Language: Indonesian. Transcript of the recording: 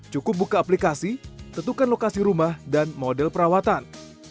cukup buka aplikasi tentukan lokasi rumah dan model perawatan